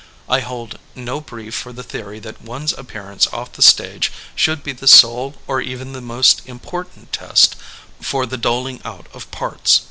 I hold no brief for the theory that one 's appear ance off the stage should be the sole or even the most important test for the doling out of parts.